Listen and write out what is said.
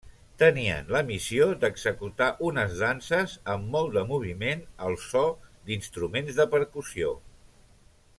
Tenien la missió d'executar unes danses amb molt de moviment al so d'instruments de percussió.